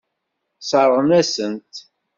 Sseṛɣen-asent-t.